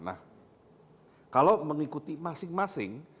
nah kalau mengikuti masing masing